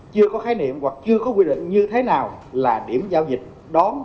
chưa có khái niệm hoặc chưa có quy định như thế nào là điểm giao dịch đón